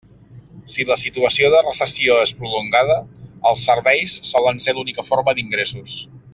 Si la situació de recessió és prolongada, els serveis solen ser l'única forma d'ingressos.